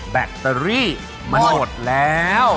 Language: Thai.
แบตเตอรี่มันหมดแล้ว